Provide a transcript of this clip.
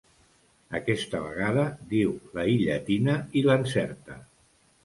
Aquesta vegada diu la i llatina i l'encerta.